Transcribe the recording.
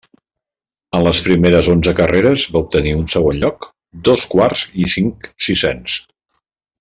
En les primeres onze carreres, va obtenir un segon lloc, dos quarts i cinc sisens.